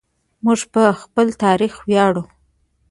موږ په خپل تاریخ ویاړو.